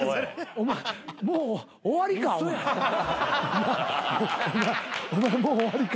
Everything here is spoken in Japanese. お前もう終わりか。